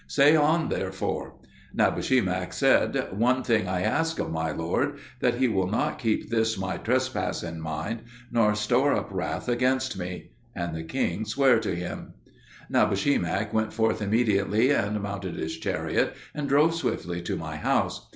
Say on, therefore." Nabushemak said, "One thing I ask of my lord: that he will not keep this my trespass in mind, nor store up wrath against me." And the king sware to him. Nabushemak went forth immediately and mounted his chariot, and drove swiftly to my house.